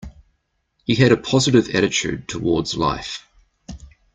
He had a positive attitude towards life.